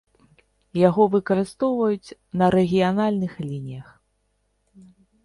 Яго выкарыстоўваюць на рэгіянальных лініях.